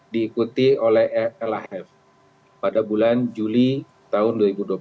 diikuti oleh lif pada bulan juli tahun dua ribu dua puluh